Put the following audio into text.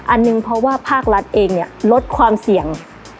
อันหนึ่งเพราะว่าภาครัฐเองเนี่ยลดความเสี่ยง